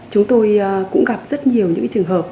chúng tôi cũng gặp rất nhiều những trường hợp